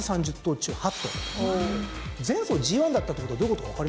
前走ＧⅠだったってことはどういうことか分かります？